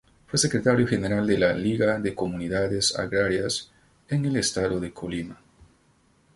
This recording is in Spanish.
Fue Secretario general de la Liga de Comunidades Agrarias en el estado de Colima.